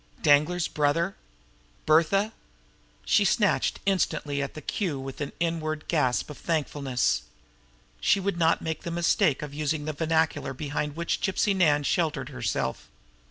Danglar's brother! Bertha! She snatched instantly at the cue with an inward gasp of thankfulness. She would not make the mistake of using the vernacular behind which Gypsy Nan sheltered herself.